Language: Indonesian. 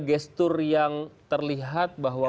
gestur yang terlihat bahwa